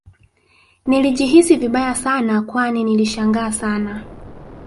Nilijihisi vibaya Sana Kwani nilishangaa Sana